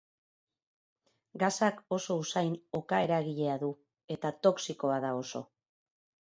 Gasak oso usain oka-eragilea du, eta toxikoa da oso.